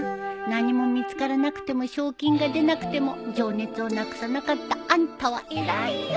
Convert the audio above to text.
何も見つからなくても賞金が出なくても情熱をなくさなかったあんたは偉いよ